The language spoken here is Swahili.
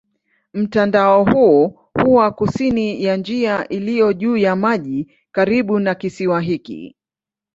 Mtandao huu huwa kusini ya njia iliyo juu ya maji karibu na kisiwa hiki.